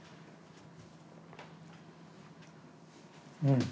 うん。